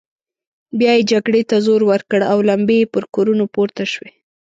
بيا يې جګړې ته زور ورکړ او لمبې يې پر کورونو پورته شوې.